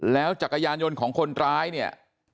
แล้วจักรยานยนต์ของคนร้ายเนี่ย